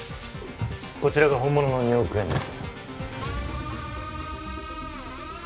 こちらが本物の２億円です